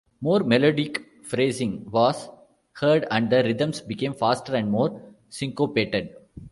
More melodic phrasing was heard and the rhythms became faster and more syncopated.